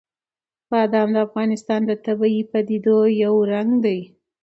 بادام د افغانستان د طبیعي پدیدو یو رنګ دی.